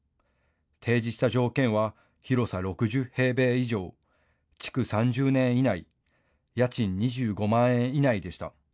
提示した条件は広さ６０平米以上、築３０年以内、家賃２５万円以内でした。